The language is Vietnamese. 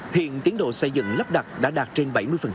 hiện tiến độ xây dựng lắp đặt đã đạt trên bảy mươi